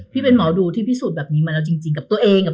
พี่เป็นหมอดูที่พิสูจน์แบบนี้มาแล้วจริงกับตัวเอง